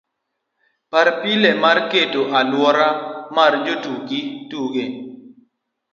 par pile mar keto aluora mar jotuki tuge